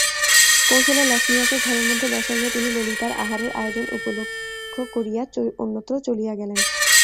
কৌশলে লছমিয়াকে ঘরের মধ্যে বসাইয়া তিনি ললিতার আহারের আয়োজন উপলক্ষ করিয়া অন্যত্র চলিয়া গেলেন।